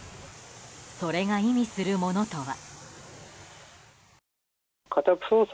それが意味するものとは。